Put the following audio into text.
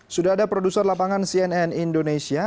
sudah ada produser lapangan cnn indonesia